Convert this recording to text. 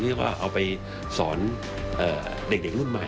เรียกว่าเอาไปสอนเด็กรุ่นใหม่